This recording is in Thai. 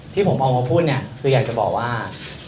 ที่ผมออกมาพูดเนี่ยคืออยากจะบอกว่า